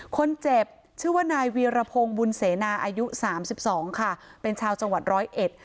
คนเจ็บชื่อว่านายวีรพงศ์วุลเซนาอายุ๓๒ค่ะเป็นชาวจังหวัด๑๐๑